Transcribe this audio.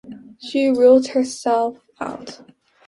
She ruled herself out.